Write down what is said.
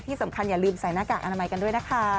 อย่าลืมใส่หน้ากากอนามัยกันด้วยนะคะ